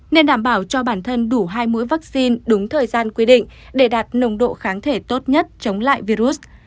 nên đảm bảo cho bản thân đủ hai mũi vaccine đúng thời gian quy định để đạt nồng độ kháng thể tốt nhất chống lại virus